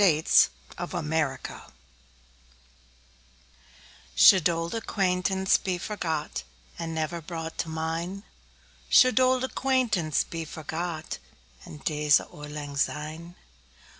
Auld Lang Syne SHOULD auld acquaintance be forgot, And never brought to min'? Should auld acquaintance be forgot, And days o' lang syne?